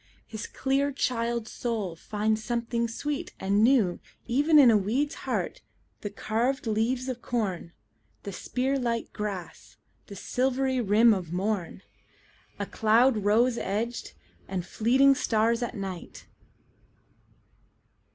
His clear child's soul finds something sweet and newEven in a weed's heart, the carved leaves of corn, The spear like grass, the silvery rim of morn,A cloud rose edged, and fleeting stars at night!